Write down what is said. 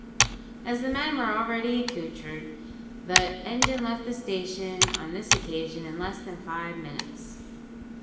As the men were already accoutred, the engine left the station on this occasion in less than five minutes.